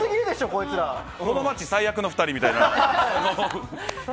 この町、最悪の２人みたいな。